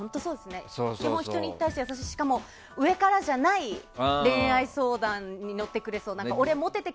基本、人に対して優しいし上からじゃない恋愛相談に乗ってくれそう。